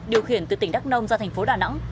điều khiển từ tỉnh đắk nông ra thành phố đà nẵng